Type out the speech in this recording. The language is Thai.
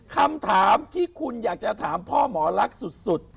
คำถามที่คุณอยากจะถามพ่อหมอลักษณ์สุด